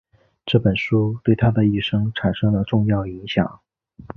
这本书对他的一生产生了重要影响。